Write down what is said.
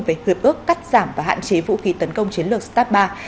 về hợp ước cắt giảm và hạn chế vũ khí tấn công chiến lược stats ba